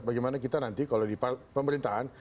bagaimana kita nanti kalau di pemerintahan